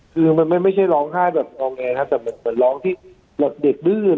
คือมันไม่ใช่ร้องไห้แบบงอแงครับแต่เหมือนร้องที่แบบเด็กดื้อ